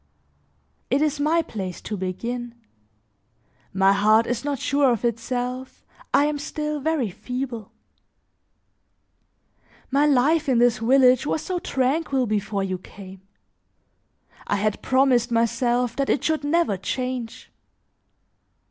It is my place to begin; my heart is not sure of itself, I am still very feeble; my life in this village was so tranquil before you came! I had promised myself that it should never change!